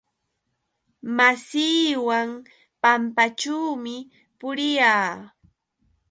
Masiiwan pampaćhuumi puriyaa.